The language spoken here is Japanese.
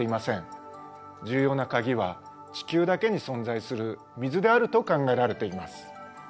重要な鍵は地球だけに存在する水であると考えられています。